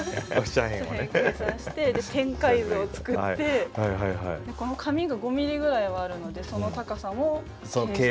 斜辺を計算して展開図を作ってこの紙が５ｍｍぐらいはあるのでその高さも計算してマイナスしてとか。